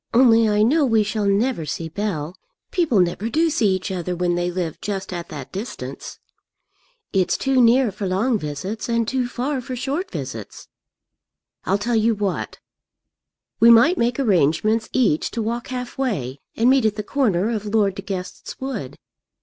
Only I know we shall never see Bell. People never do see each other when they live just at that distance. It's too near for long visits, and too far for short visits. I'll tell you what; we might make arrangements each to walk half way, and meet at the corner of Lord De Guest's wood.